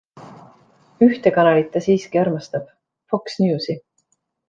Ühte kanalit ta siiski armastab - Fox Newsi.